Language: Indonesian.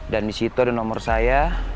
dan disitu ada nomor saya